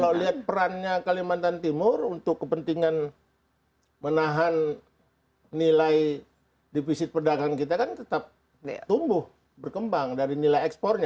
kalau lihat perannya kalimantan timur untuk kepentingan menahan nilai defisit perdagangan kita kan tetap tumbuh berkembang dari nilai ekspornya